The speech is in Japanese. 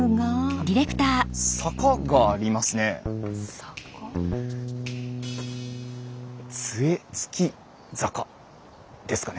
坂？ですかね？